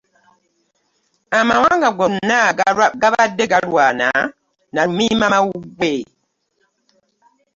Amawanga gonna gabadde galwana na lumiimamawuggwe.